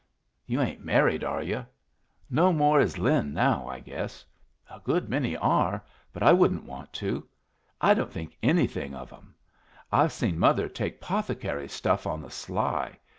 You ain't married, are you? No more is Lin now, I guess. A good many are, but I wouldn't want to. I don't think anything of 'em. I've seen mother take 'pothecary stuff on the sly.